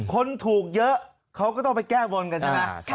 คนถูกเยอะเขาก็ต้องไปแก้บนกันใช่ไหม